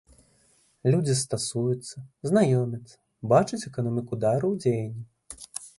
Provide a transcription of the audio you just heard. Людзі стасуюцца, знаёмяцца, бачаць эканоміку дару ў дзеянні.